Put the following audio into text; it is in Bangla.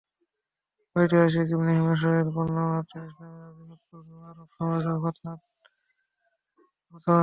ঐতিহাসিক ইবনে হিশামের বর্ণনামতে ইসলামের আবির্ভাবের পূর্বেও আরব সমাজে খৎনার প্রচলন ছিল।